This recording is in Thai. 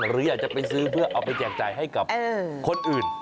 หรืออยากจะไปซื้อเพื่อเอาไปแจกจ่ายให้กับคนอื่น